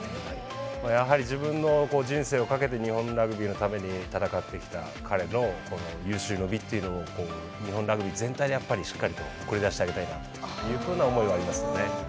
やはり自分の人生をかけて日本のラグビーのために戦ってきた彼の有終の美というのを日本ラグビー全体でやっぱりしっかりと送り出してあげたいなというふうな思いはありますよね。